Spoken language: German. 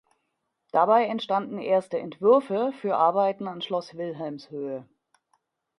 Dabei entstanden erste Entwürfe für Arbeiten an Schloss Wilhelmshöhe.